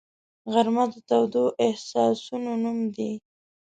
غرمه د تودو احساسونو نوم دی